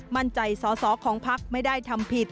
มั่นใจสอสอของพักไม่ได้ทำผิด